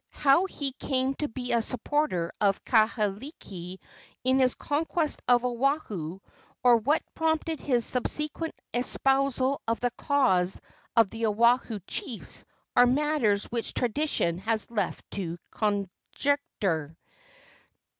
How he came to be a supporter of Kahekili in his conquest of Oahu, or what prompted his subsequent espousal of the cause of the Oahu chiefs, are matters which tradition has left to conjecture.